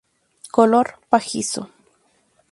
Color pajizo.